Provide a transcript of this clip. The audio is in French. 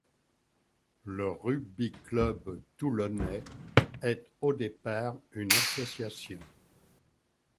Le Rugby club toulonnais est au départ une association.